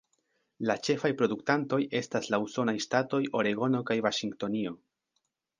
La ĉefaj produktantoj estas la usonaj ŝtatoj Oregono kaj Vaŝingtonio.